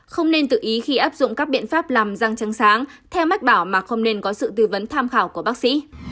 không nên tự ý khi áp dụng các biện pháp làm răng sáng theo mách bảo mà không nên có sự tư vấn tham khảo của bác sĩ